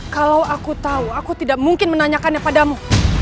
kalau aku tahu aku tidak mungkin menanyakannya padamu